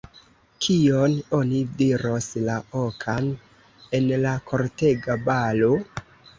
Kion oni diros, la okan, en la kortega balo?